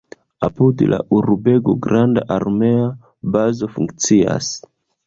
Apud la urbego granda armea bazo funkcias.